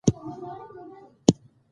خزان لوټلی کور د بلبلو